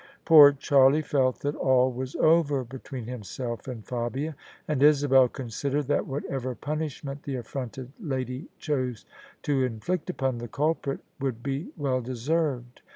Poor Charlie felt that all was over between himself and Fabia: and Isabel considered that whatever punishment the affronted lady chose to inflict upon the culprit, would be well deserved.